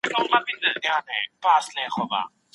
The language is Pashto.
خاوند او مېرمن بايد ولي د بل عيبونه پټ کړي؟